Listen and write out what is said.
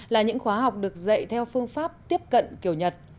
là những khóa học được dạy theo phương pháp tiếp cận kiểu nhật